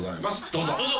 どうぞ。